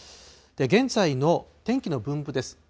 現在の天気の分布です。